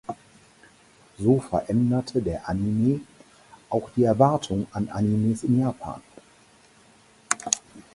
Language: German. So veränderte der Anime auch die Erwartungen an Animes in Japan.